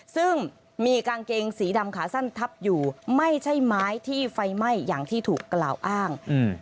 ซึ่งมีกางเกงสีดำขาสั้นทับอยู่ไม่ใช่ไม้ที่ไฟไหม้อย่างที่ถูกกล่าวอ้าง